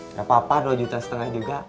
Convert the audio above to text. gak apa apa dua juta setengah juga